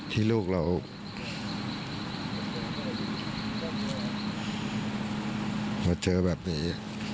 ที่ลูกเรามาเจอแบบนี้